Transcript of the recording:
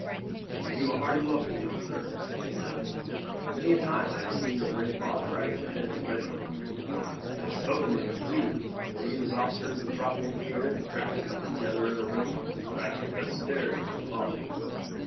"I give you a hearty welcome, young sir," Sandy said. "Many a time I have seen your brave father riding at the head of his regiment, and have spoken to him too, for he and his officers would drop in here and crack a cup together in a room I keep upstairs for the quality.